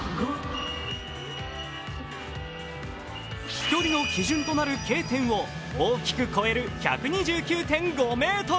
飛距離の基準となるＫ点を大きく超える１２９．５ｍ。